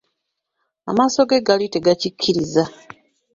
Amaaso ge gaali tegakyikiriza.